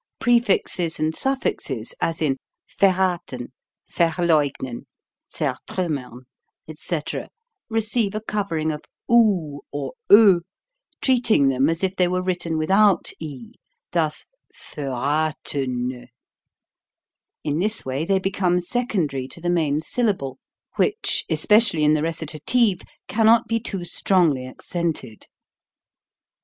Prefixes and suffixes as in "verraten," "verleugnen," "zer trummern," etc., receive a covering of oo or o, treating them as if they were written without e thus varratono. In this way they be come secondary to the main syllable which, especially in the recitative, cannot be too strongly accented.